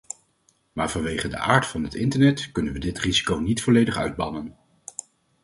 Maar vanwege de aard van het internet kunnen we dit risico niet volledig uitbannen.